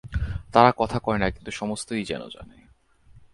তারা কথা কয় না, কিন্তু সমস্তই যেন জানে।